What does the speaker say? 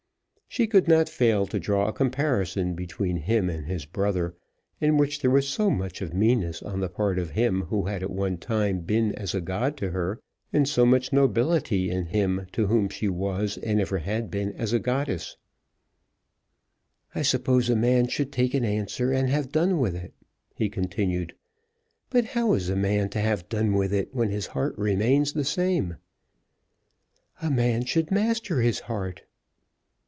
She could not fail to draw a comparison between him and his brother, in which there was so much of meanness on the part of him who had at one time been as a god to her, and so much nobility in him to whom she was and ever had been as a goddess. "I suppose a man should take an answer and have done with it," he continued. "But how is a man to have done with it, when his heart remains the same?" "A man should master his heart."